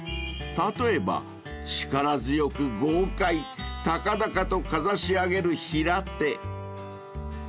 ［例えば力強く豪快高々とかざし上げる平手］